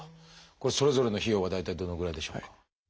これそれぞれの費用は大体どのぐらいでしょうか？